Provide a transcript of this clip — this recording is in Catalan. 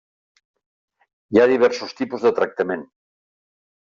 Hi ha diversos tipus de tractament.